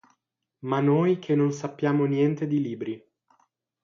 Ma noi che non sappiamo niente di libri.